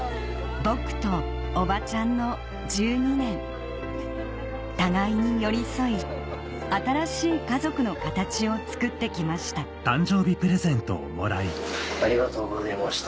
ボクとおばちゃんの１２年互いに寄り添い新しい家族の形をつくってきましたありがとうございました。